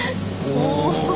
お。